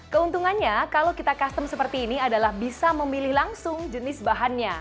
keuntungannya kalau kita custom seperti ini adalah bisa memilih langsung jenis bahannya